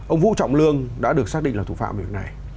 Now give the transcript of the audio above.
ông vũ trọng lương đã được xác định là thủ phạm việc này